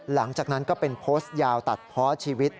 หลังจากนั้นก็เป็นโพสต์ยาวตัดเพราะชีวิต